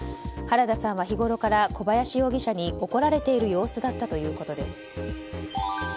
原田さんは日ごろから小林容疑者に怒られている様子だったということです。